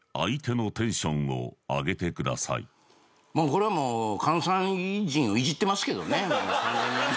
これはもう関西人をいじってますけどね。